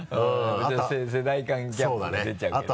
世代間ギャップ出ちゃうけど。